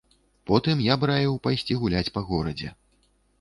Потым я б раіў пайсці гуляць па горадзе.